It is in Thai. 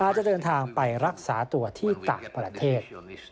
อาจจะเดินทางไปรักษาตัวที่กะประเทศ